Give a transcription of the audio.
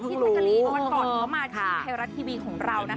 วันก่อนเขามาชิมเฮราทีวีของเรา